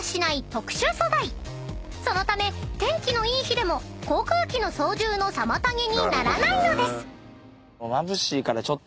［そのため天気のいい日でも航空機の操縦の妨げにならないのです］